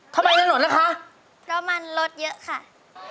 เธอไม่ต้องคืนใจถ้าเธอไม่ต้องการ